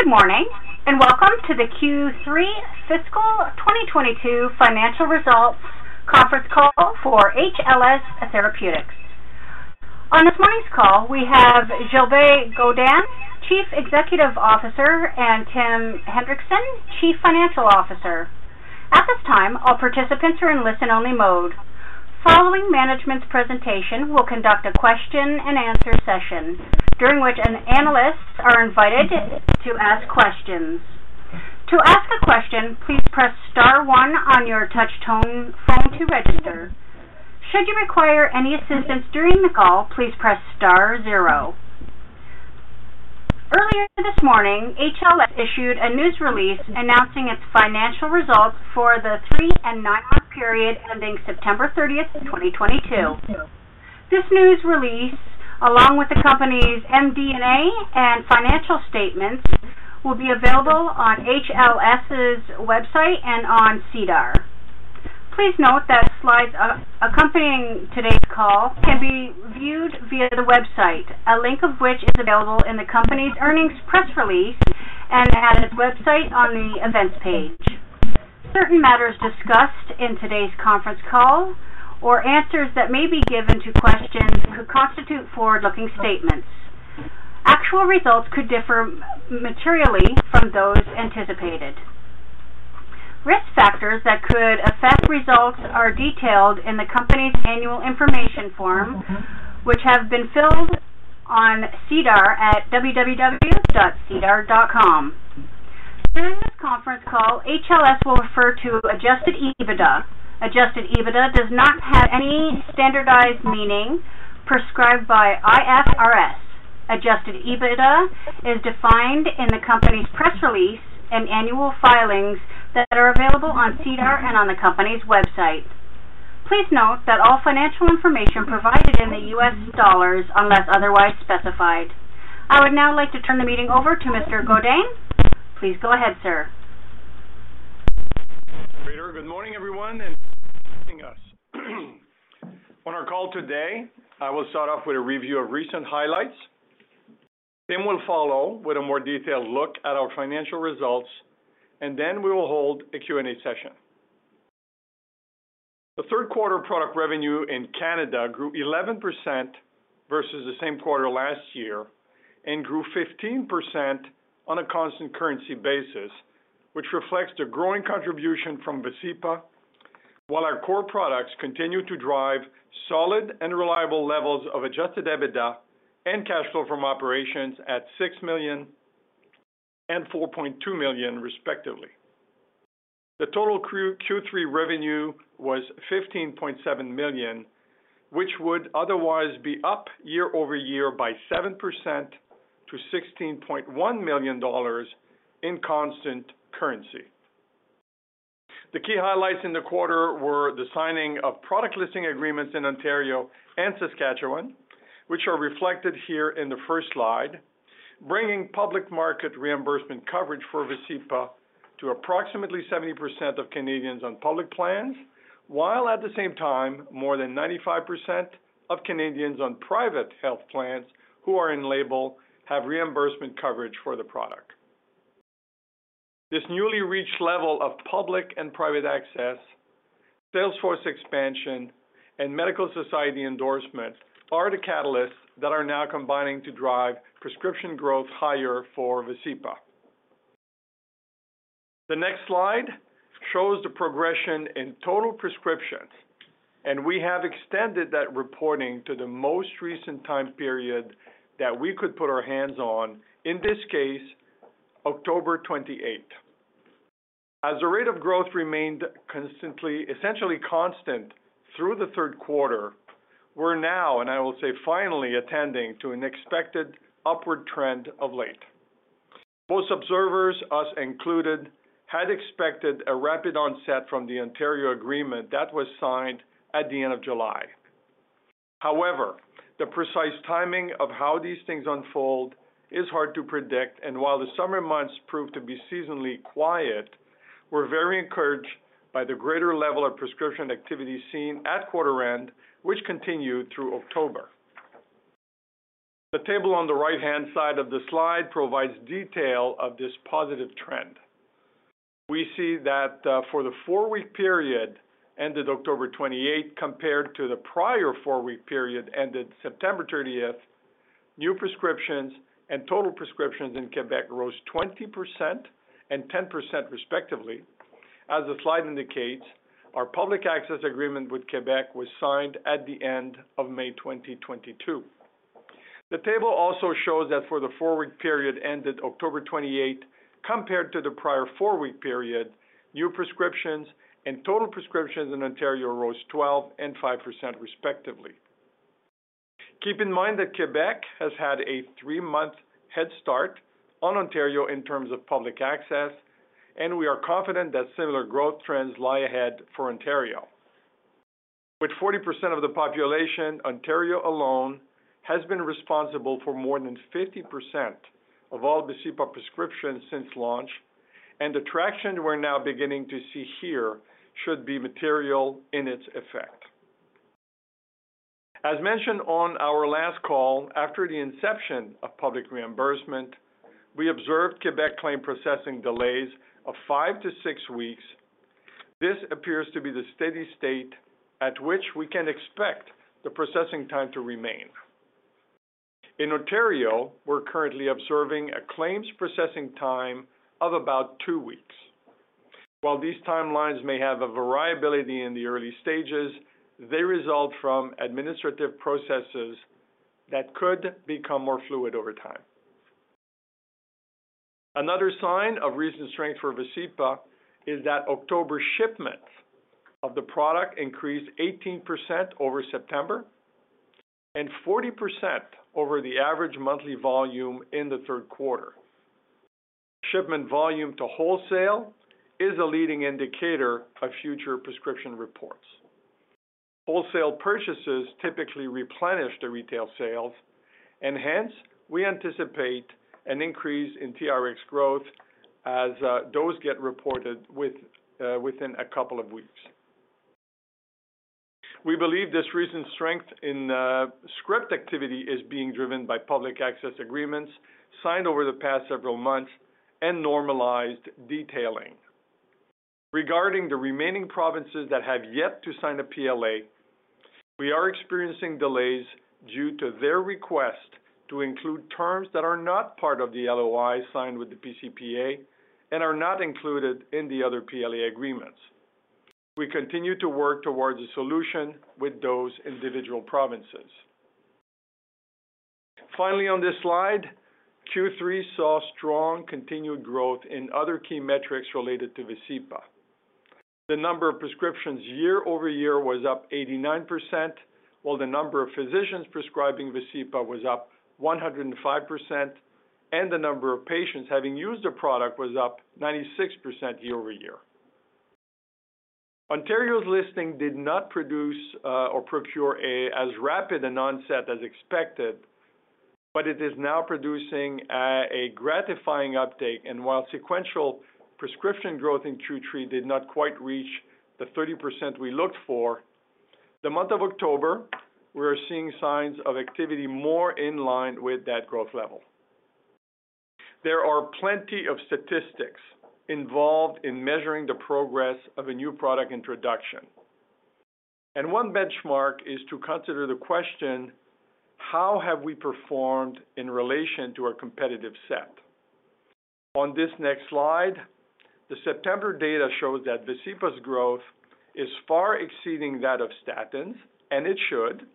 Good morning, and welcome to the Q3 fiscal 2022 financial results conference call for HLS Therapeutics. On this morning's call, we have Gilbert Godin, Chief Executive Officer, and Tim Hendrickson, Chief Financial Officer. At this time, all participants are in listen-only mode. Following management's presentation, we'll conduct a question-and-answer session during which analysts are invited to ask questions. To ask a question, please press star one on your touch-tone phone to register. Should you require any assistance during the call, please press star zero. Earlier this morning, HLS issued a news release announcing its financial results for the 3- and 9-month period ending September thirtieth, 2022. This news release, along with the company's MD&A and financial statements, will be available on HLS's website and on SEDAR. Please note that slides accompanying today's call can be viewed via the website, a link of which is available in the company's earnings press release and at its website on the Events page. Certain matters discussed in today's conference call or answers that may be given to questions could constitute forward-looking statements. Actual results could differ materially from those anticipated. Risk factors that could affect results are detailed in the company's annual information form, which have been filed on SEDAR at www.sedar.com. During this conference call, HLS will refer to adjusted EBITDA. Adjusted EBITDA does not have any standardized meaning prescribed by IFRS. Adjusted EBITDA is defined in the company's press release and annual filings that are available on SEDAR and on the company's website. Please note that all financial information provided in US dollars unless otherwise specified. I would now like to turn the meeting over to Mr. Godin. Please go ahead, sir. Great. Good morning, everyone, and thank you for joining us. On our call today, I will start off with a review of recent highlights. Tim will follow with a more detailed look at our financial results, and then we will hold a Q&A session. The third quarter product revenue in Canada grew 11% versus the same quarter last year and grew 15% on a constant currency basis, which reflects the growing contribution from Vascepa while our core products continue to drive solid and reliable levels of Adjusted EBITDA and cash flow from operations at $6 million and $4.2 million, respectively. The total Q3 revenue was $15.7 million, which would otherwise be up year-over-year by 7% to $16.1 million in constant currency. The key highlights in the quarter were the signing of product listing agreements in Ontario and Saskatchewan, which are reflected here in the first slide, bringing public market reimbursement coverage for Vascepa to approximately 70% of Canadians on public plans, while at the same time, more than 95% of Canadians on private health plans who are in label have reimbursement coverage for the product. This newly reached level of public and private access, sales force expansion, and medical society endorsement are the catalysts that are now combining to drive prescription growth higher for Vascepa. The next slide shows the progression in total prescriptions, and we have extended that reporting to the most recent time period that we could put our hands on. In this case, October 28. As the rate of growth remained constantly, essentially constant through the third quarter, we're now, and I will say finally, attending to an expected upward trend of late. Most observers, us included, had expected a rapid onset from the Ontario agreement that was signed at the end of July. However, the precise timing of how these things unfold is hard to predict. While the summer months proved to be seasonally quiet, we're very encouraged by the greater level of prescription activity seen at quarter end, which continued through October. The table on the right-hand side of the slide provides detail of this positive trend. We see that, for the four-week period ended October 28, compared to the prior four-week period ended September 30, new prescriptions and total prescriptions in Quebec rose 20% and 10%, respectively. As the slide indicates, our public access agreement with Quebec was signed at the end of May 2022. The table also shows that for the four-week period ended October 28th, compared to the prior four-week period, new prescriptions and total prescriptions in Ontario rose 12% and 5%, respectively. Keep in mind that Quebec has had a three-month head start on Ontario in terms of public access, and we are confident that similar growth trends lie ahead for Ontario. With 40% of the population, Ontario alone has been responsible for more than 50% of all Vascepa prescriptions since launch, and the traction we're now beginning to see here should be material in its effect. As mentioned on our last call, after the inception of public reimbursement, we observed Quebec claim processing delays of 5-6 weeks. This appears to be the steady state at which we can expect the processing time to remain. In Ontario, we're currently observing a claims processing time of about two weeks. While these timelines may have a variability in the early stages, they result from administrative processes that could become more fluid over time. Another sign of recent strength for Vascepa is that October shipments of the product increased 18% over September and 40% over the average monthly volume in the third quarter. Shipment volume to wholesale is a leading indicator of future prescription reports. Wholesale purchases typically replenish the retail sales, and hence we anticipate an increase in TRX growth as those get reported within a couple of weeks. We believe this recent strength in script activity is being driven by public access agreements signed over the past several months and normalized detailing. Regarding the remaining provinces that have yet to sign a PLA, we are experiencing delays due to their request to include terms that are not part of the LOI signed with the pCPA and are not included in the other PLA agreements. We continue to work towards a solution with those individual provinces. Finally, on this slide, Q3 saw strong continued growth in other key metrics related to Vascepa. The number of prescriptions year-over-year was up 89%, while the number of physicians prescribing Vascepa was up 105%, and the number of patients having used the product was up 96% year-over-year. Ontario's listing did not produce as rapid an onset as expected, but it is now producing a gratifying uptake. While sequential prescription growth in Q3 did not quite reach the 30% we looked for, in the month of October, we are seeing signs of activity more in line with that growth level. There are plenty of statistics involved in measuring the progress of a new product introduction, and one benchmark is to consider the question. How have we performed in relation to our competitive set? On this next slide, the September data shows that Vascepa's growth is far exceeding that of statins, and it should,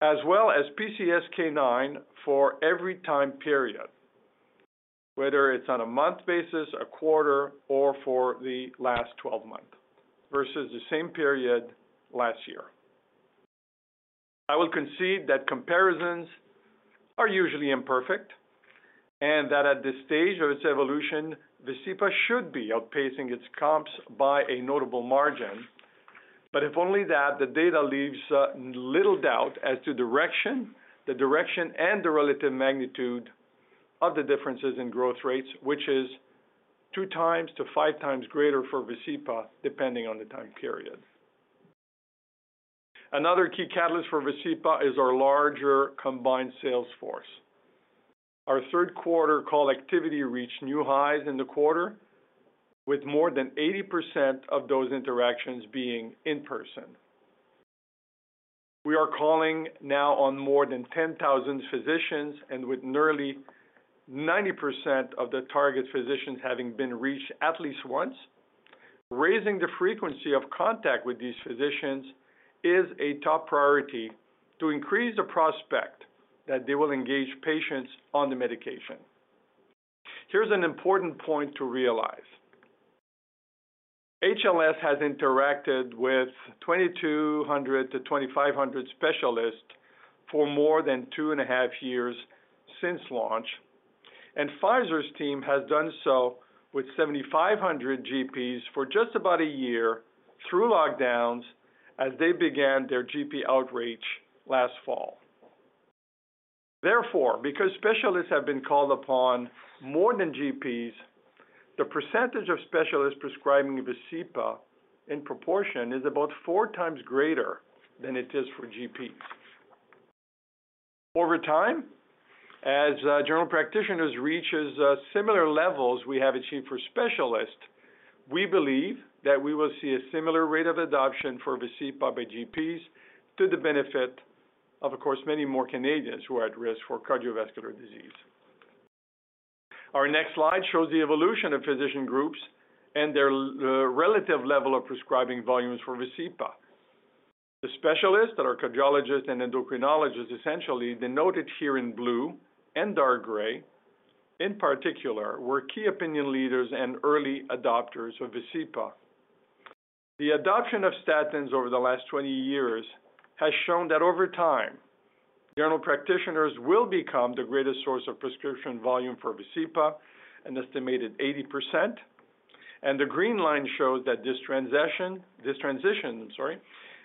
as well as PCSK9 for every time period, whether it's on a month basis, a quarter, or for the last 12-month versus the same period last year. I will concede that comparisons are usually imperfect and that at this stage of its evolution, Vascepa should be outpacing its comps by a notable margin. If only that, the data leaves little doubt as to direction and the relative magnitude of the differences in growth rates, which is 2x to 5x greater for Vascepa, depending on the time period. Another key catalyst for Vascepa is our larger combined sales force. Our third quarter call activity reached new highs in the quarter, with more than 80% of those interactions being in person. We are calling now on more than 10,000 physicians, and with nearly 90% of the target physicians having been reached at least once, raising the frequency of contact with these physicians is a top priority to increase the prospect that they will engage patients on the medication. Here's an important point to realize. HLS has interacted with 2,200 to 2,500 specialists for more than 2.5 Years since launch, and Pfizer's team has done so with 7,500 GPs for just about a year through lockdowns as they began their GP outreach last fall. Therefore, because specialists have been called upon more than GPs, the percentage of specialists prescribing Vascepa in proportion is about four times greater than it is for GPs. Over time, as general practitioners reaches similar levels we have achieved for specialists, we believe that we will see a similar rate of adoption for Vascepa by GPs to the benefit of course, many more Canadians who are at risk for cardiovascular disease. Our next slide shows the evolution of physician groups and their relative level of prescribing volumes for Vascepa. The specialists that are cardiologists and endocrinologists essentially denoted here in blue and dark gray in particular were key opinion leaders and early adopters of Vascepa. The adoption of statins over the last 20 years has shown that over time, general practitioners will become the greatest source of prescription volume for Vascepa, an estimated 80%. The green line shows that this transition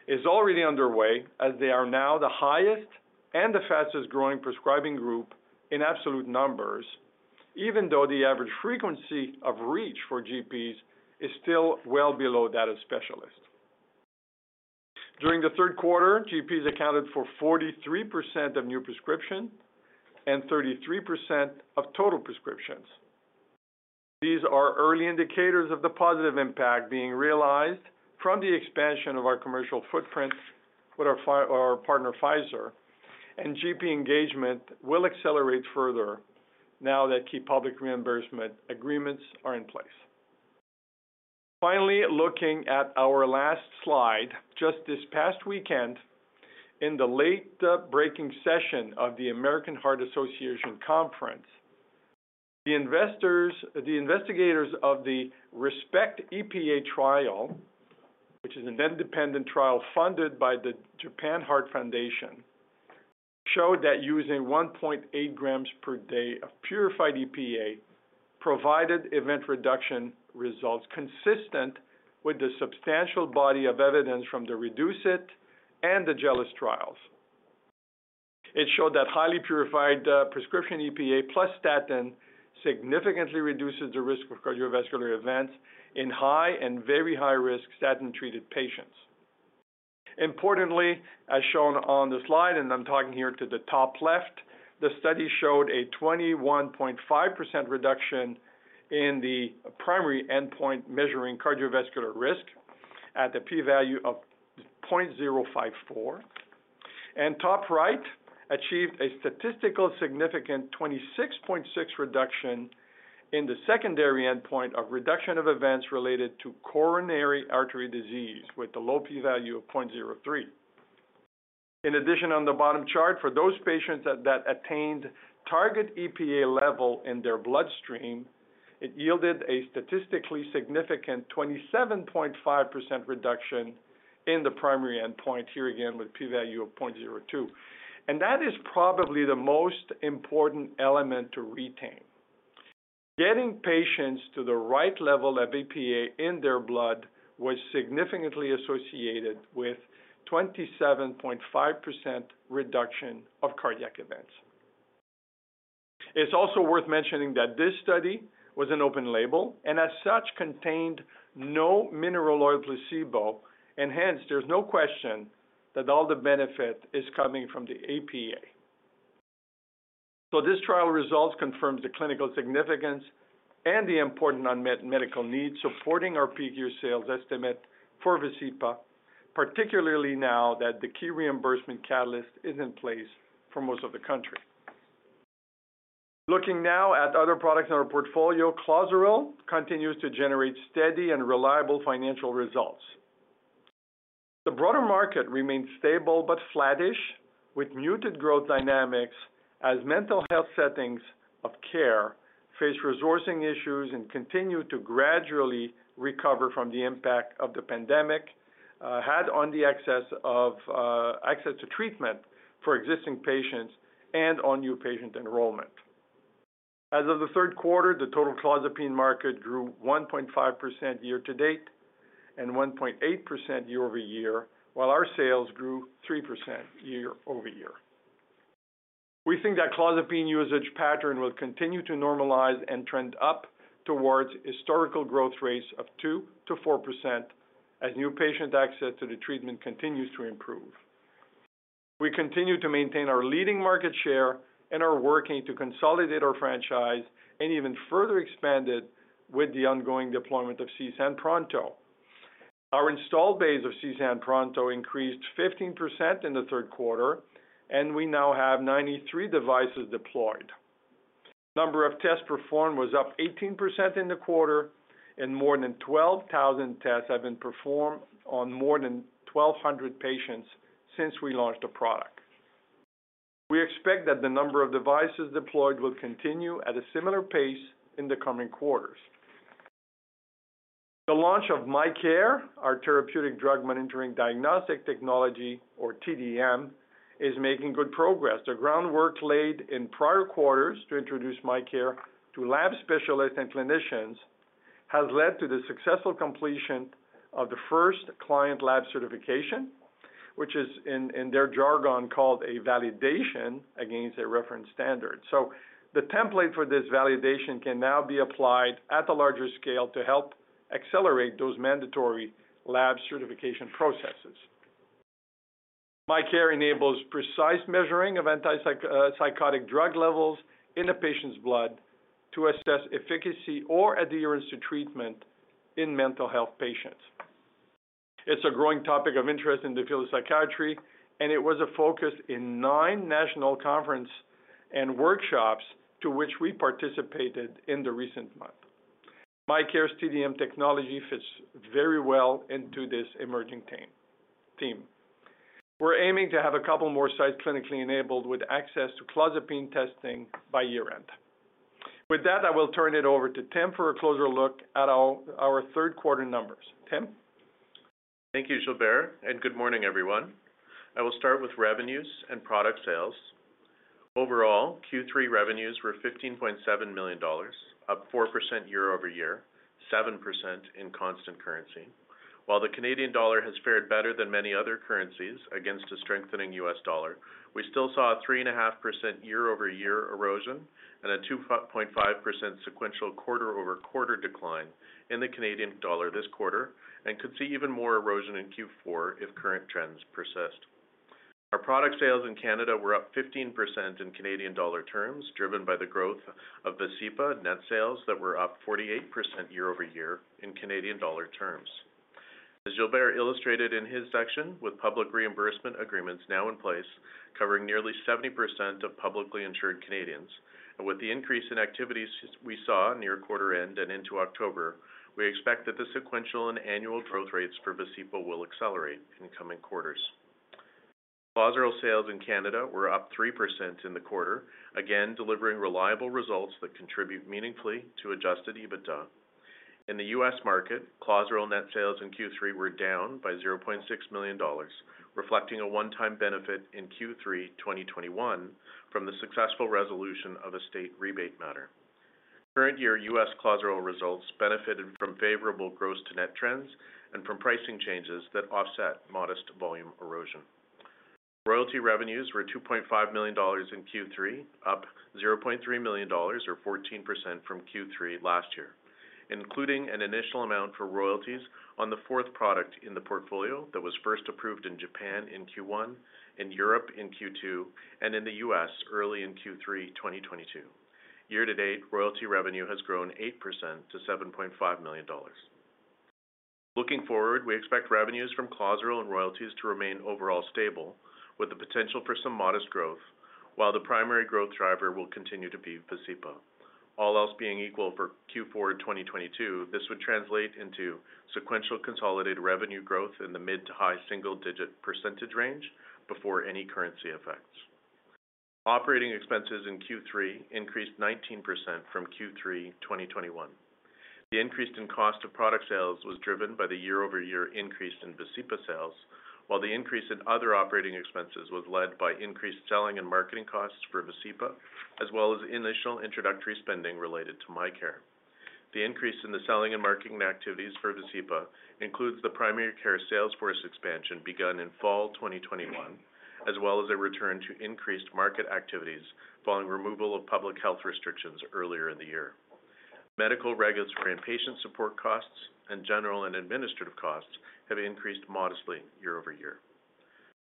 is already underway as they are now the highest and the fastest-growing prescribing group in absolute numbers. Even though the average frequency of reach for GPs is still well below that of specialists. During the third quarter, GPs accounted for 43% of new prescription and 33% of total prescriptions. These are early indicators of the positive impact being realized from the expansion of our commercial footprints with our partner, Pfizer, and GP engagement will accelerate further now that key public reimbursement agreements are in place. Finally, looking at our last slide, just this past weekend in the late breaking session of the American Heart Association conference, the investigators of the RESPECT-EPA trial, which is an independent trial funded by the Japan Heart Foundation, showed that using 1.8 grams per day of purified EPA provided event reduction results consistent with the substantial body of evidence from the REDUCE-IT and the JELIS trials. It showed that highly purified prescription EPA plus statin significantly reduces the risk of cardiovascular events in high and very high risk statin-treated patients. Importantly, as shown on the slide, and I'm talking here to the top left, the study showed a 21.5% reduction in the primary endpoint measuring cardiovascular risk at the p-value of 0.054. Top right achieved a statistically significant 26.6% reduction in the secondary endpoint of reduction of events related to coronary artery disease with the low p-value of 0.03. In addition, on the bottom chart, for those patients that attained target EPA level in their bloodstream, it yielded a statistically significant 27.5% reduction in the primary endpoint, here again with p-value of 0.02. That is probably the most important element to retain. Getting patients to the right level of EPA in their blood was significantly associated with 27.5% reduction of cardiac events. It's also worth mentioning that this study was an open label and as such, contained no mineral oil placebo and hence there's no question that all the benefit is coming from the EPA. This trial results confirms the clinical significance and the important unmet medical needs supporting our peak year sales estimate for Vascepa, particularly now that the key reimbursement catalyst is in place for most of the country. Looking now at other products in our portfolio, Clozaril continues to generate steady and reliable financial results. The broader market remains stable but flattish, with muted growth dynamics as mental health settings of care face resourcing issues and continue to gradually recover from the impact of the pandemic had on access to treatment for existing patients and on new patient enrollment. As of the third quarter, the total clozapine market grew 1.5% year to date and 1.8% year-over-year, while our sales grew 3% year-over-year. We think that clozapine usage pattern will continue to normalize and trend up towards historical growth rates of 2%-4% as new patient access to the treatment continues to improve. We continue to maintain our leading market share and are working to consolidate our franchise and even further expand it with the ongoing deployment of CSAN Pronto. Our installed base of CSAN Pronto increased 15% in the third quarter, and we now have 93 devices deployed. Number of tests performed was up 18% in the quarter and more than 12,000 tests have been performed on more than 1,200 patients since we launched the product. We expect that the number of devices deployed will continue at a similar pace in the coming quarters. The launch of MyCare, our therapeutic drug monitoring diagnostic technology or TDM, is making good progress. The groundwork laid in prior quarters to introduce MyCare to lab specialists and clinicians has led to the successful completion of the first client lab certification, which is in their jargon, called a validation against a reference standard. The template for this validation can now be applied at a larger scale to help accelerate those mandatory lab certification processes. MyCare enables precise measuring of anti-psychotic drug levels in a patient's blood to assess efficacy or adherence to treatment in mental health patients. It's a growing topic of interest in the field of psychiatry, and it was a focus in nine national conferences and workshops to which we participated in the recent month. MyCare's TDM technology fits very well into this emerging team. We're aiming to have a couple more sites clinically enabled with access to clozapine testing by year-end. With that, I will turn it over to Tim for a closer look at our third quarter numbers. Tim? Thank you, Gilbert, and good morning, everyone. I will start with revenues and product sales. Overall, Q3 revenues were $15.7 million. 4% year-over-year, 7% in constant currency. While the Canadian dollar has fared better than many other currencies against a strengthening US dollar, we still saw a 3.5% year-over-year erosion and a 2.5% sequential quarter-over-quarter decline in the Canadian dollar this quarter, and could see even more erosion in Q4 if current trends persist. Our product sales in Canada were up 15% in Canadian dollar terms, driven by the growth of Vascepa net sales that were up 48% year-over-year in Canadian dollar terms. As Gilbert illustrated in his section, with public reimbursement agreements now in place covering nearly 70% of publicly insured Canadians, and with the increase in activities we saw near quarter end and into October, we expect that the sequential and annual growth rates for Vascepa will accelerate in coming quarters. Clozaril sales in Canada were up 3% in the quarter, again, delivering reliable results that contribute meaningfully to Adjusted EBITDA. In the US market, Clozaril net sales in Q3 were down by $0.6 million, reflecting a one-time benefit in Q3 2021 from the successful resolution of a state rebate matter. Current year US Clozaril results benefited from favorable gross to net trends and from pricing changes that offset modest volume erosion. Royalty revenues were $2.5 million in Q3, up $0.3 million or 14% from Q3 last year, including an initial amount for royalties on the fourth product in the portfolio that was first approved in Japan in Q1, in Europe in Q2, and in the US early in Q3 2022. Year to date, royalty revenue has grown 8% to $7.5 million. Looking forward, we expect revenues from Clozaril and royalties to remain overall stable with the potential for some modest growth, while the primary growth driver will continue to be Vascepa. All else being equal for Q4 2022, this would translate into sequential consolidated revenue growth in the mid to high single digit percentage range before any currency effects. Operating expenses in Q3 increased 19% from Q3 2021. The increase in cost of product sales was driven by the year-over-year increase in Vascepa sales, while the increase in other operating expenses was led by increased selling and marketing costs for Vascepa, as well as initial introductory spending related to MyCare. The increase in the selling and marketing activities for Vascepa includes the primary care sales force expansion begun in fall 2021, as well as a return to increased market activities following removal of public health restrictions earlier in the year. Medical, regulatory, and patient support costs and general and administrative costs have increased modestly year-over-year.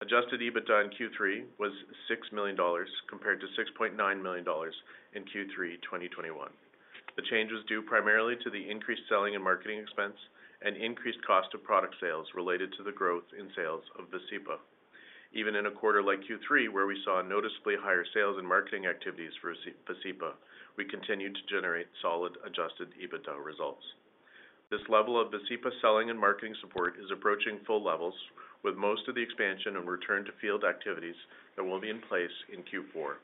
Adjusted EBITDA in Q3 was $6 million compared to $6.9 million in Q3 2021. The change was due primarily to the increased selling and marketing expense and increased cost of product sales related to the growth in sales of Vascepa. Even in a quarter like Q3, where we saw noticeably higher sales and marketing activities for Vascepa, we continued to generate solid Adjusted EBITDA results. This level of Vascepa selling and marketing support is approaching full levels with most of the expansion and return to field activities that will be in place in Q4.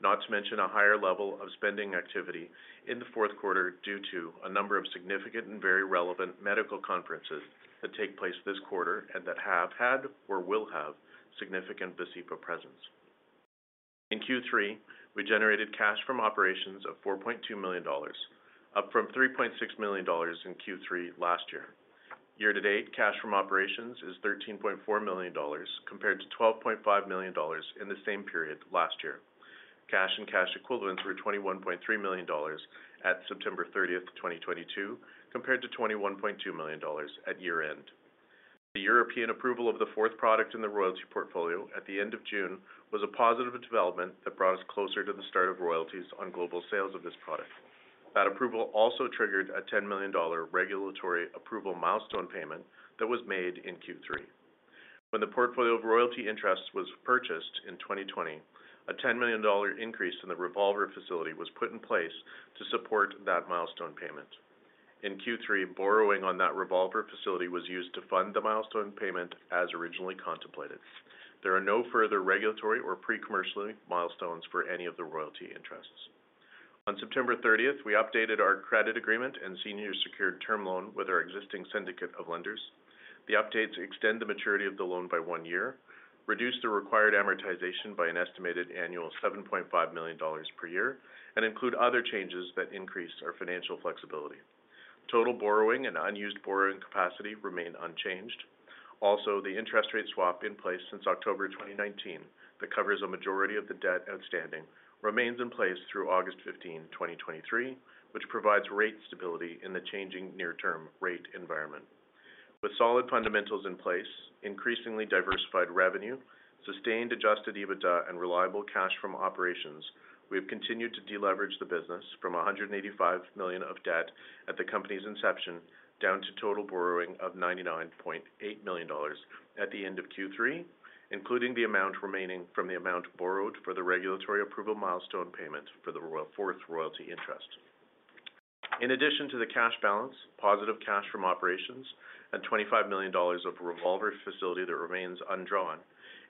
Not to mention a higher level of spending activity in the fourth quarter due to a number of significant and very relevant medical conferences that take place this quarter and that have had or will have significant Vascepa presence. In Q3, we generated cash from operations of $4.2 million, up from $3.6 million in Q3 last year. Year-to-date, cash from operations is $13.4 million compared to $12.5 million in the same period last year. Cash and cash equivalents were $21.3 million at September 30, 2022, compared to $21.2 million at year end. The European approval of the fourth product in the royalty portfolio at the end of June was a positive development that brought us closer to the start of royalties on global sales of this product. That approval also triggered a $10 million regulatory approval milestone payment that was made in Q3. When the portfolio of royalty interest was purchased in 2020, a $10 million increase in the revolver facility was put in place to support that milestone payment. In Q3, borrowing on that revolver facility was used to fund the milestone payment as originally contemplated. There are no further regulatory or pre-commercially milestones for any of the royalty interests. On September 30, we updated our credit agreement and senior secured term loan with our existing syndicate of lenders. The updates extend the maturity of the loan by one year, reduce the required amortization by an estimated annual $7.5 million per year, and include other changes that increase our financial flexibility. Total borrowing and unused borrowing capacity remain unchanged. Also, the interest rate swap in place since October 2019 that covers a majority of the debt outstanding, remains in place through August 15, 2023, which provides rate stability in the changing near term rate environment. With solid fundamentals in place, increasingly diversified revenue, sustained Adjusted EBITDA, and reliable cash from operations, we have continued to deleverage the business from $185 million of debt at the company's inception down to total borrowing of $99.8 million at the end of Q3, including the amount remaining from the amount borrowed for the regulatory approval milestone payment for the fourth royalty interest. In addition to the cash balance, positive cash from operations, and $25 million of revolver facility that remains undrawn,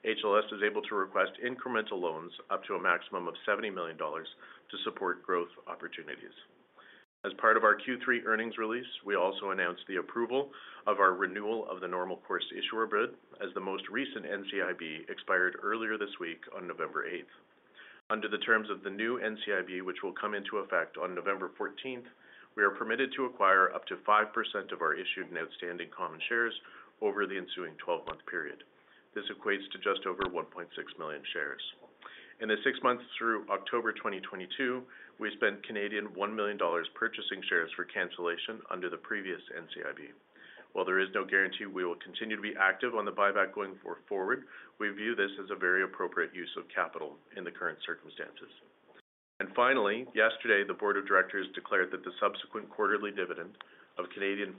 HLS is able to request incremental loans up to a maximum of $70 million to support growth opportunities. As part of our Q3 earnings release, we also announced the approval of our renewal of the normal course issuer bid as the most recent NCIB expired earlier this week on November 8. Under the terms of the new NCIB, which will come into effect on November 14, we are permitted to acquire up to 5% of our issued and outstanding common shares over the ensuing twelve-month period. This equates to just over 1.6 million shares. In the six months through October 2022, we spent 1 million Canadian dollars purchasing shares for cancellation under the previous NCIB. While there is no guarantee we will continue to be active on the buyback going forward, we view this as a very appropriate use of capital in the current circumstances. Finally, yesterday, the board of directors declared that the subsequent quarterly dividend of 0.05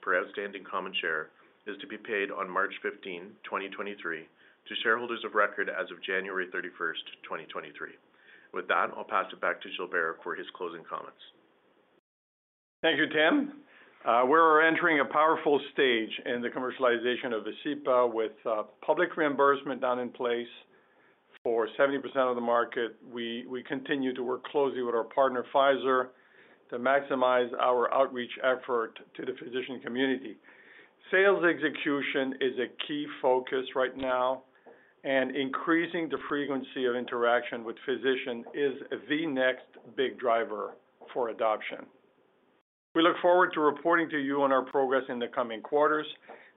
per outstanding common share is to be paid on March 15, 2023 to shareholders of record as of January 31, 2023. With that, I'll pass it back to Gilbert for his closing comments. Thank you, Tim. We're entering a powerful stage in the commercialization of Vascepa with public reimbursement done in place for 70% of the market. We continue to work closely with our partner, Pfizer, to maximize our outreach effort to the physician community. Sales execution is a key focus right now, and increasing the frequency of interaction with physician is the next big driver for adoption. We look forward to reporting to you on our progress in the coming quarters.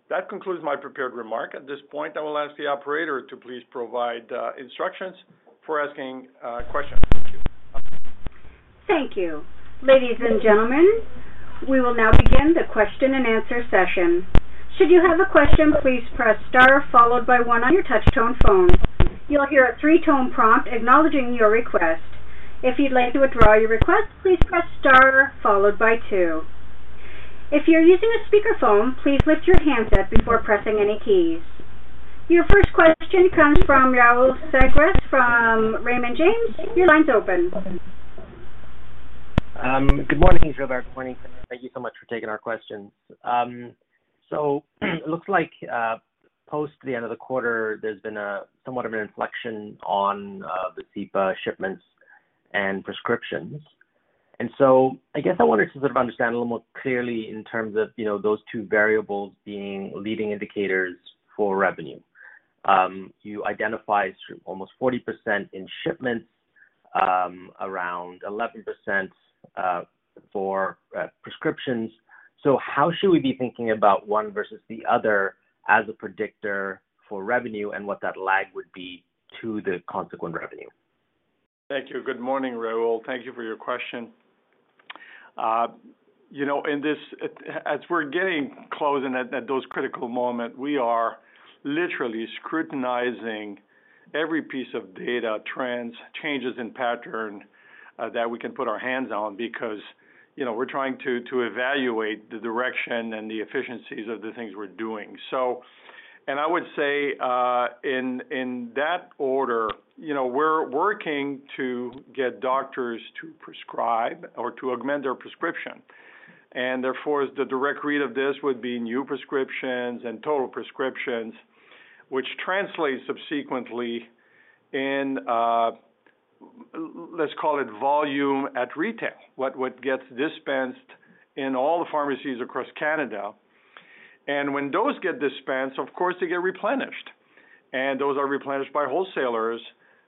That concludes my prepared remark. At this point, I will ask the operator to please provide instructions for asking questions. Thank you. Thank you. Ladies and gentlemen, we will now begin the question-and-answer session. Should you have a question, please press star followed by one on your touch tone phone. You'll hear a three-tone prompt acknowledging your request. If you'd like to withdraw your request, please press star followed by two. If you're using a speaker phone, please lift your handset before pressing any keys. Your first question comes from Rahul Sarugaser from Raymond James. Your line's open. Good morning, Gilbert. Good morning, Tim. Thank you so much for taking our questions. It looks like, post the end of the quarter, there's been some sort of an inflection on Vascepa shipments and prescriptions. I guess I wanted to sort of understand a little more clearly in terms of, you know, those two variables being leading indicators for revenue. You identified almost 40% in shipments, around 11%, for prescriptions. How should we be thinking about one versus the other as a predictor for revenue and what that lag would be to the consequent revenue? Thank you. Good morning, Rahul. Thank you for your question. You know, as we're getting close and at those critical moment, we are literally scrutinizing every piece of data trends, changes in pattern, that we can put our hands on because, you know, we're trying to evaluate the direction and the efficiencies of the things we're doing. I would say, in that order, you know, we're working to get doctors to prescribe or to amend their prescription. Therefore, the direct read of this would be new prescriptions and total prescriptions, which translates subsequently in, let's call it volume at retail, what would get dispensed in all the pharmacies across Canada. When those get dispensed, of course, they get replenished. Those are replenished by wholesalers.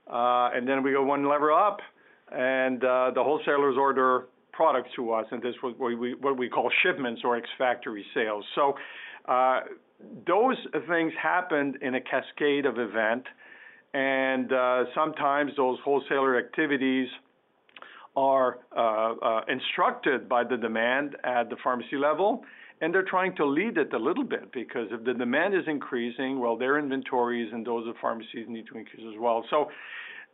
We go one level up and the wholesalers order products from us, and this was what we call shipments or ex-factory sales. Those things happened in a cascade of events, and sometimes those wholesaler activities are instructed by the demand at the pharmacy level, and they're trying to lead it a little bit because if the demand is increasing, well, their inventories and those of pharmacies need to increase as well.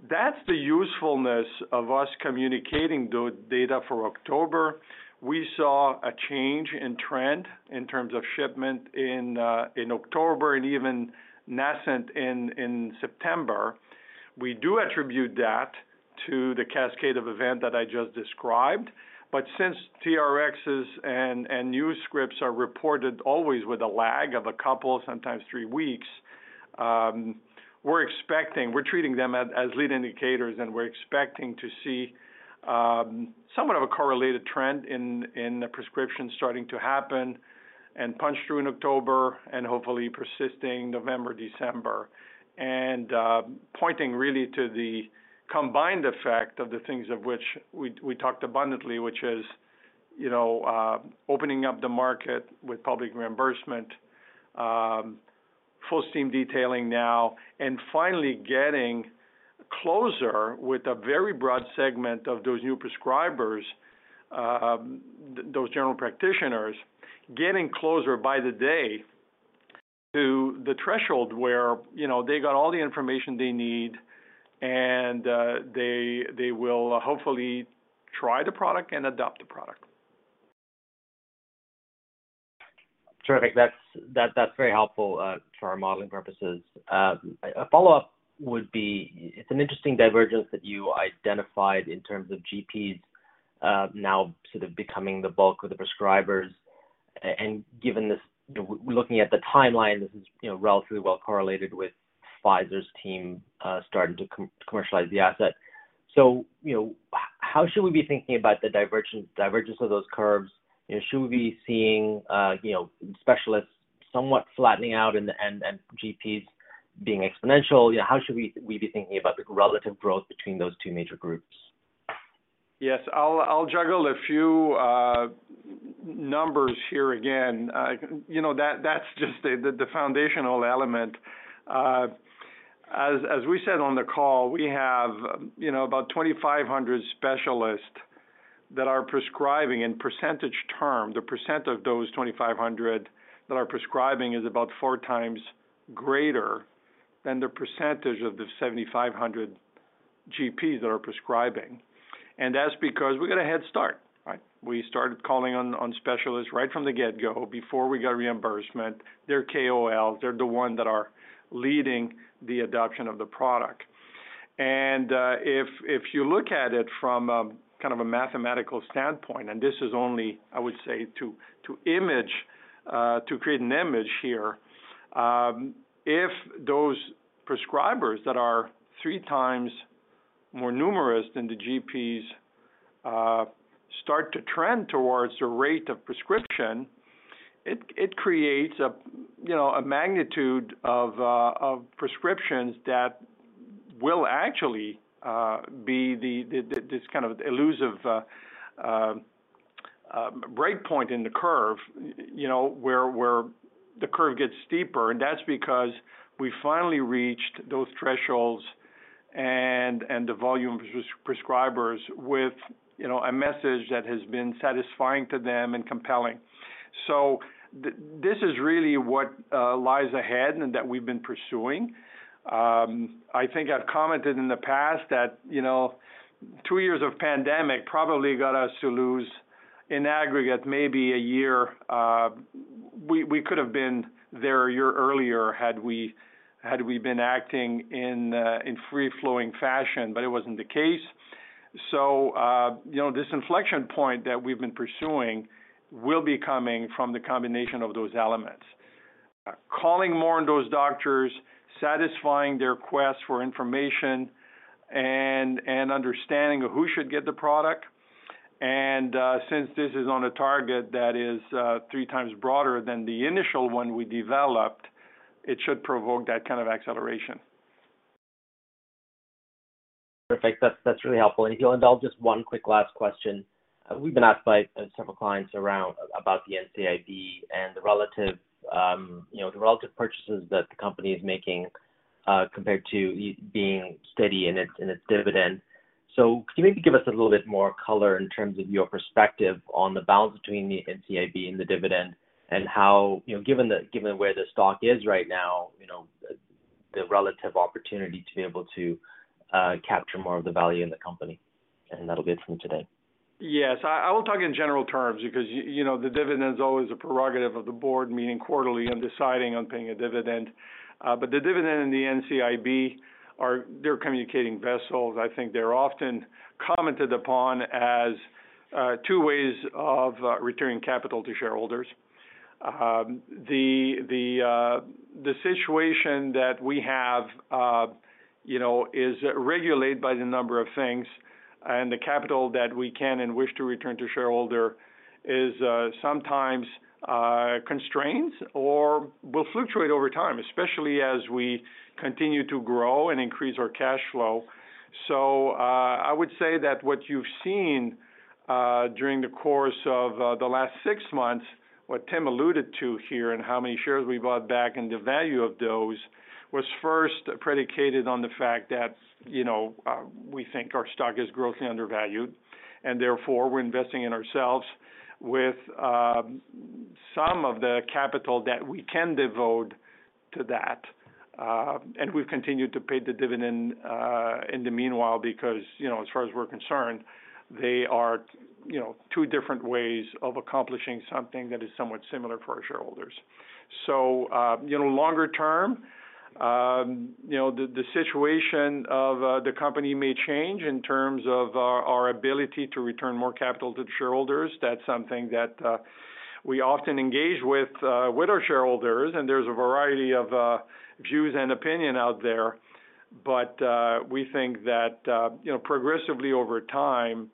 That's the usefulness of us communicating the data for October. We saw a change in trend in terms of shipment in October and even nascent in September. We do attribute that to the cascade of events that I just described. Since TRXs and new scripts are reported always with a lag of a couple, sometimes three weeks, we're treating them as lead indicators, and we're expecting to see somewhat of a correlated trend in the prescription starting to happen and punch through in October and hopefully persisting November, December. Pointing really to the combined effect of the things of which we talked abundantly, which is, you know, opening up the market with public reimbursement, full steam detailing now, and finally getting closer with a very broad segment of those new prescribers, those general practitioners, getting closer by the day to the threshold where, you know, they got all the information they need and they will hopefully try the product and adopt the product. Terrific. That's very helpful for our modeling purposes. A follow-up would be, it's an interesting divergence that you identified in terms of GPs now sort of becoming the bulk of the prescribers. Given this, we're looking at the timeline, this is relatively well correlated with Pfizer's team starting to commercialize the asset. How should we be thinking about the divergence of those curves? Should we be seeing specialists somewhat flattening out and GPs being exponential? How should we be thinking about the relative growth between those two major groups? Yes. I'll juggle a few numbers here again. You know, that's just the foundational element. As we said on the call, we have you know, about 2,500 specialists that are prescribing in percentage terms. The percent of those 2,500 that are prescribing is about four times greater than the percentage of the 7,500 GPs that are prescribing. That's because we got a head start, right? We started calling on specialists right from the get-go before we got reimbursement. They're KOLs. They're the ones that are leading the adoption of the product. If you look at it from kind of a mathematical standpoint, and this is only, I would say, to create an image here, if those prescribers that are three times more numerous than the GPs start to trend towards the rate of prescription, it creates a, you know, a magnitude of prescriptions that will actually be this kind of elusive breakpoint in the curve, you know, where the curve gets steeper. That's because we finally reached those thresholds and the volume prescribers with, you know, a message that has been satisfying to them and compelling. This is really what lies ahead and that we've been pursuing. I think I've commented in the past that, you know, 2 years of pandemic probably got us to lose in aggregate maybe a year. We could have been there a year earlier had we been acting in free-flowing fashion, but it wasn't the case. You know, this inflection point that we've been pursuing will be coming from the combination of those elements. Calling more on those doctors, satisfying their quest for information and understanding of who should get the product. Since this is on a target that is 3x broader than the initial one we developed, it should provoke that kind of acceleration. Perfect. That's really helpful. If you'll indulge just one quick last question. We've been asked by several clients around about the NCIB and the relative, you know, the relative purchases that the company is making, compared to being steady in its dividend. Can you maybe give us a little bit more color in terms of your perspective on the balance between the NCIB and the dividend and how, you know, given where the stock is right now, you know, the relative opportunity to be able to capture more of the value in the company? That'll be it from today. Yes. I will talk in general terms because you know, the dividend is always a prerogative of the board meeting quarterly and deciding on paying a dividend. The dividend and the NCIB are communicating vessels. I think they're often commented upon as two ways of returning capital to shareholders. The situation that we have is regulated by the number of things. The capital that we can and wish to return to shareholder is sometimes constrained or will fluctuate over time, especially as we continue to grow and increase our cash flow. I would say that what you've seen during the course of the last six months, what Tim alluded to here, and how many shares we bought back and the value of those, was first predicated on the fact that, you know, we think our stock is grossly undervalued, and therefore, we're investing in ourselves with some of the capital that we can devote to that. We've continued to pay the dividend in the meanwhile, because, you know, as far as we're concerned, they are, you know, two different ways of accomplishing something that is somewhat similar for our shareholders. You know, longer term, you know, the situation of the company may change in terms of our ability to return more capital to the shareholders. That's something that we often engage with with our shareholders, and there's a variety of views and opinion out there. We think that you know, progressively over time,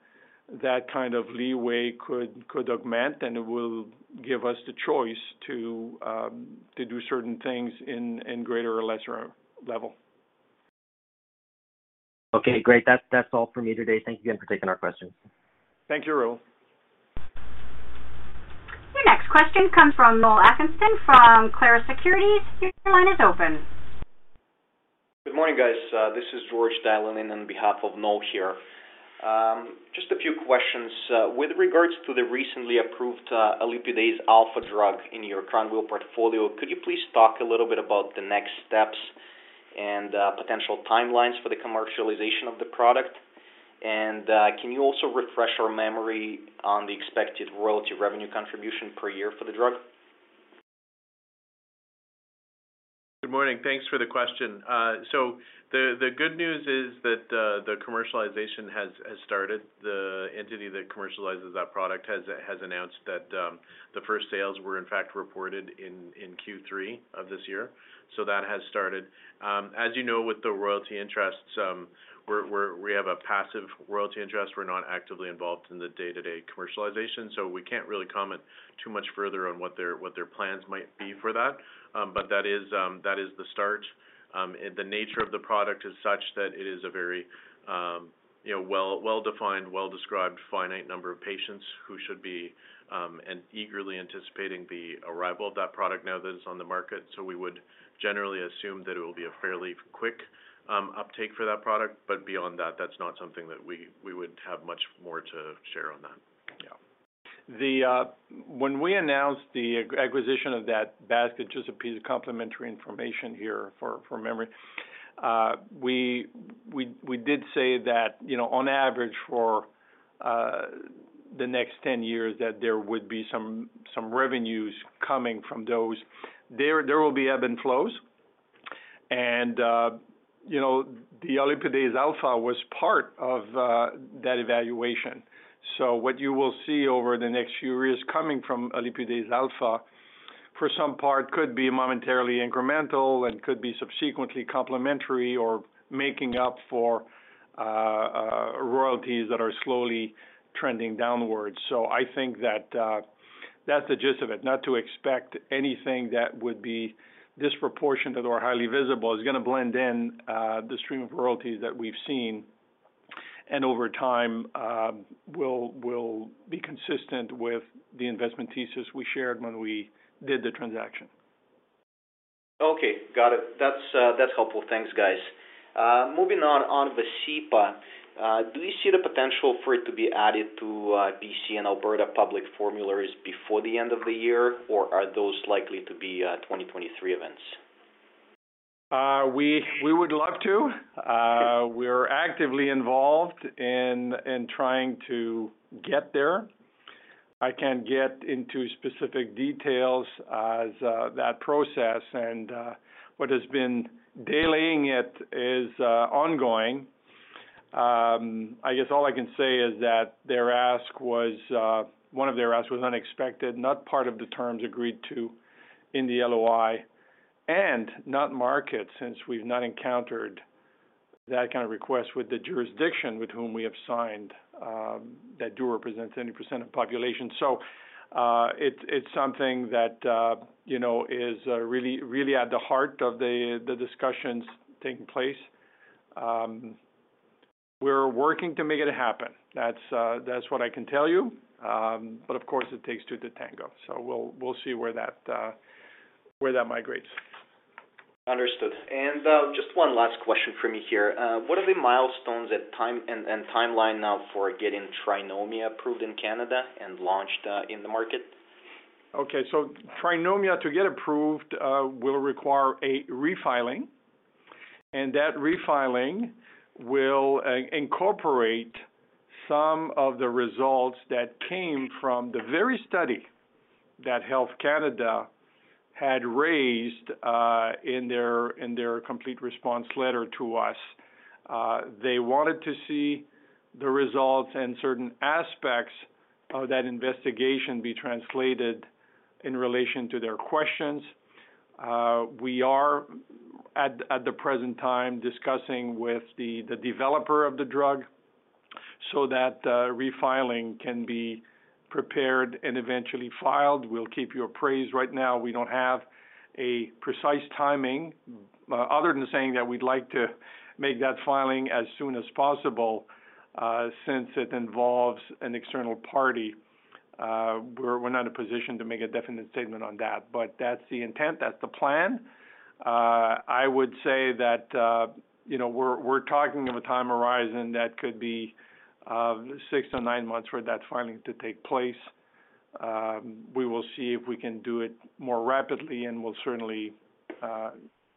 that kind of leeway could augment, and it will give us the choice to do certain things in greater or lesser level. Okay, great. That's all for me today. Thank you again for taking our questions. Thank you, Rahul. Your next question comes from Noel Atkinson from Clarus Securities. Your line is open. Good morning, guys. This is George dialing in on behalf of Noel here. Just a few questions. With regards to the recently approved olipudase alfa drug in your royalty portfolio, could you please talk a little bit about the next steps and potential timelines for the commercialization of the product? Can you also refresh our memory on the expected relative revenue contribution per year for the drug? Good morning. Thanks for the question. The good news is that the commercialization has started. The entity that commercializes that product has announced that the first sales were in fact reported in Q3 of this year. That has started. As you know, with the royalty interests, we have a passive royalty interest. We're not actively involved in the day-to-day commercialization, so we can't really comment too much further on what their plans might be for that. That is the start. The nature of the product is such that it is a very you know well-defined well-described finite number of patients who should be and eagerly anticipating the arrival of that product now that it's on the market. We would generally assume that it will be a fairly quick uptake for that product. Beyond that's not something that we would have much more to share on that. Yeah. When we announced the acquisition of that basket, just a piece of complementary information here for memory. We did say that, you know, on average for the next 10 years, that there would be some revenues coming from those. There will be ebb and flows and, you know, the olipudase alfa was part of that evaluation. What you will see over the next few years coming from olipudase alfa for some part could be momentarily incremental and could be subsequently complementary or making up for royalties that are slowly trending downwards. I think that that's the gist of it. Not to expect anything that would be disproportionate or highly visible. It's gonna blend in the stream of royalties that we've seen and over time will be consistent with the investment thesis we shared when we did the transaction. Okay, got it. That's helpful. Thanks, guys. Moving on Vascepa. Do you see the potential for it to be added to BC and Alberta public formularies before the end of the year, or are those likely to be 2023 events? We would love to. We're actively involved in trying to get there. I can't get into specific details as that process and what has been delaying it is ongoing. I guess all I can say is that one of their asks was unexpected, not part of the terms agreed to in the LOI, and not market, since we've not encountered that kind of request with the jurisdiction with whom we have signed that do represent any percent of population. It's something that you know is really at the heart of the discussions taking place. We're working to make it happen. That's what I can tell you. Of course, it takes two to tango, so we'll see where that migrates. Understood. Just one last question for me here. What are the milestones and timeline now for getting Trinomia approved in Canada and launched in the market? Okay. Trinomia to get approved will require a refiling, and that refiling will incorporate some of the results that came from the very study that Health Canada had raised in their Complete Response Letter to us. They wanted to see the results and certain aspects of that investigation be translated in relation to their questions. We are at the present time discussing with the developer of the drug so that refiling can be prepared and eventually filed. We'll keep you apprised. Right now, we don't have a precise timing other than saying that we'd like to make that filing as soon as possible, since it involves an external party. We're not in a position to make a definite statement on that. That's the intent. That's the plan. I would say that, you know, we're talking of a time horizon that could be 6-9 months for that filing to take place. We will see if we can do it more rapidly, and we'll certainly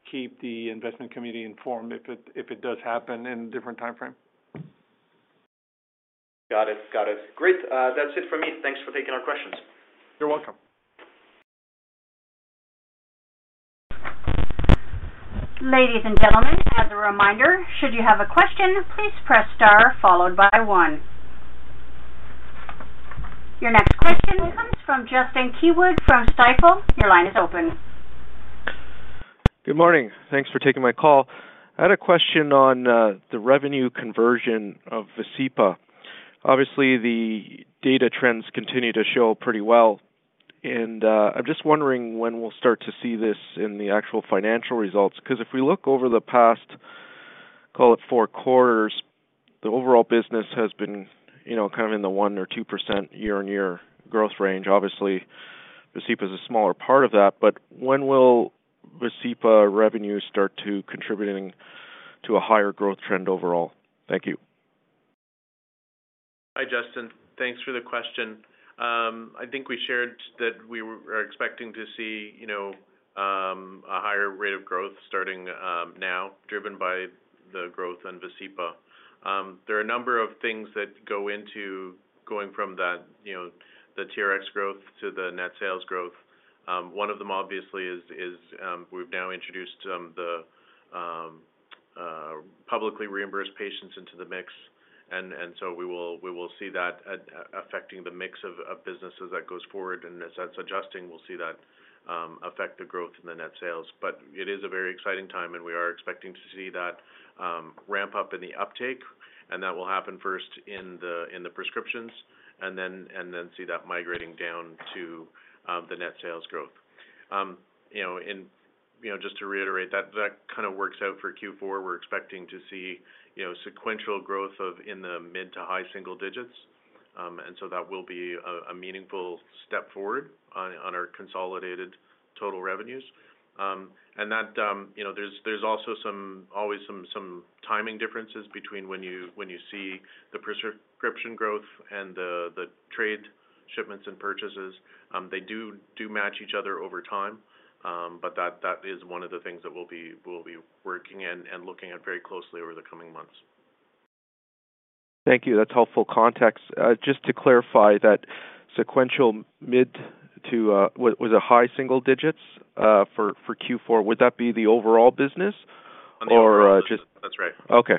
keep the investment community informed if it does happen in a different timeframe. Got it. Great. That's it for me. Thanks for taking our questions. You're welcome. Ladies and gentlemen, as a reminder, should you have a question, please press star followed by one. Your next question comes from Justin Keywood from Stifel. Your line is open. Good morning. Thanks for taking my call. I had a question on the revenue conversion of Vascepa. Obviously, the data trends continue to show pretty well, and I'm just wondering when we'll start to see this in the actual financial results, because if we look over the past, call it four quarters, the overall business has been, you know, kind of in the 1%-2% year-on-year growth range. Obviously, Vascepa is a smaller part of that, but when will Vascepa revenues start to contributing to a higher growth trend overall? Thank you. Hi, Justin. Thanks for the question. I think we shared that we are expecting to see, you know, a higher rate of growth starting now driven by the growth in Vascepa. There are a number of things that go into going from that, you know, the TRX growth to the net sales growth. One of them obviously is we've now introduced some publicly reimbursed patients into the mix. We will see that affecting the mix of businesses that goes forward. As that's adjusting, we'll see that affect the growth in the net sales. It is a very exciting time, and we are expecting to see that ramp up in the uptake. That will happen first in the prescriptions and then see that migrating down to the net sales growth. You know, just to reiterate, that kinda works out for Q4. We're expecting to see, you know, sequential growth in the mid- to high-single-digit. That will be a meaningful step forward on our consolidated total revenues. You know, there's also always some timing differences between when you see the prescription growth and the trade shipments and purchases. They do match each other over time. That is one of the things that we'll be working and looking at very closely over the coming months. Thank you. That's helpful context. Just to clarify, was that sequential mid- to high-single-digits for Q4? Would that be the overall business or just- That's right. Okay.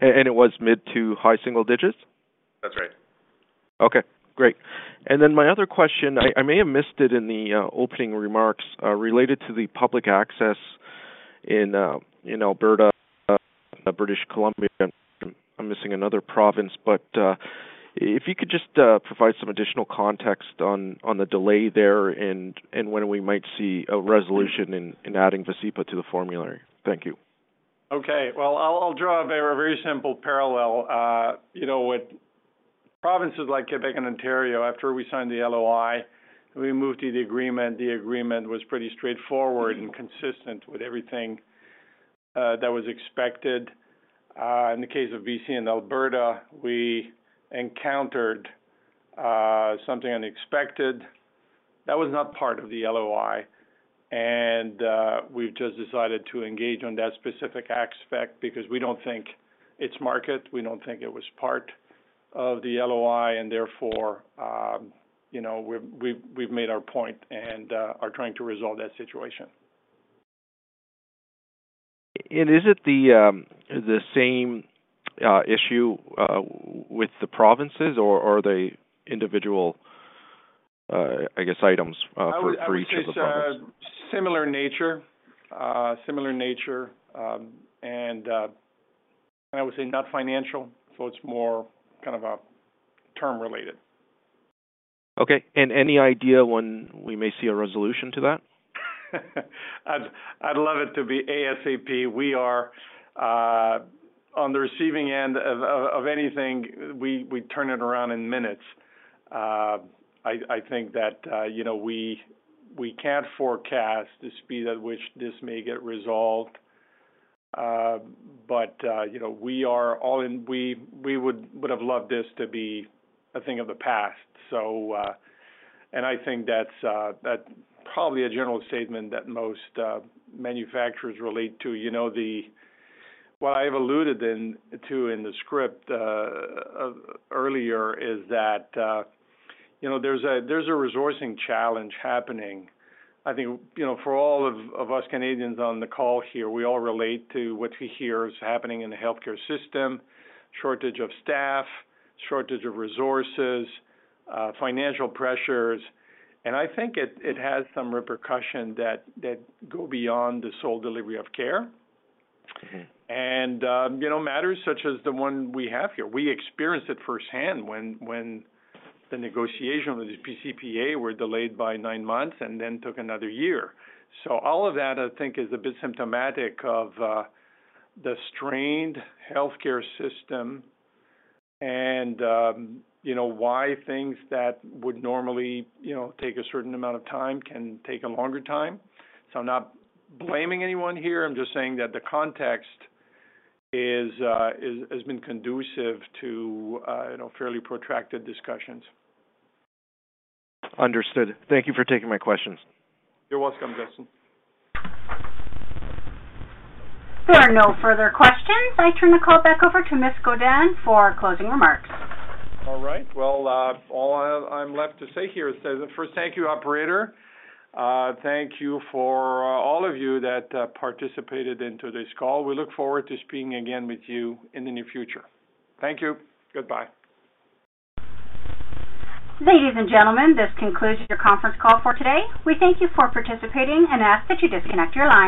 It was mid to high-single-digits? That's right. Okay, great. My other question, I may have missed it in the opening remarks, related to the public access in Alberta, British Columbia. I'm missing another province, but if you could just provide some additional context on the delay there and when we might see a resolution in adding Vascepa to the formulary. Thank you. Okay. Well, I'll draw a very simple parallel. You know, with provinces like Quebec and Ontario, after we signed the LOI, we moved to the agreement. The agreement was pretty straightforward and consistent with everything that was expected. In the case of BC and Alberta, we encountered something unexpected that was not part of the LOI. We've just decided to engage on that specific aspect because we don't think it's material, we don't think it was part of the LOI, and therefore, you know, we've made our point and are trying to resolve that situation. Is it the same issue with the provinces, or are they individual, I guess items, for each of the provinces? I would say it's a similar nature, and I would say not financial. It's more kind of a term related. Okay. Any idea when we may see a resolution to that? I'd love it to be ASAP. We are on the receiving end of anything. We turn it around in minutes. I think that you know, we can't forecast the speed at which this may get resolved. You know, we are all in. We would have loved this to be a thing of the past. I think that's probably a general statement that most manufacturers relate to. You know, what I've alluded to in the script earlier is that you know, there's a resourcing challenge happening. I think you know, for all of us Canadians on the call here, we all relate to what we hear is happening in the healthcare system, shortage of staff, shortage of resources, financial pressures. I think it has some repercussions that go beyond the sole delivery of care. You know, matters such as the one we have here. We experienced it firsthand when the negotiations with the pCPA were delayed by 9 months and then took another year. All of that, I think, is a bit symptomatic of the strained healthcare system and you know, why things that would normally you know, take a certain amount of time can take a longer time. I'm not blaming anyone here. I'm just saying that the context has been conducive to you know, fairly protracted discussions. Understood. Thank you for taking my questions. You're welcome, Justin. There are no further questions. I turn the call back over to Mr. Godin for closing remarks. All right. Well, all I have I'm left to say here is, first, thank you, operator. Thank you for all of you that participated in today's call. We look forward to speaking again with you in the near future. Thank you. Goodbye. Ladies and gentlemen, this concludes your conference call for today. We thank you for participating and ask that you disconnect your lines.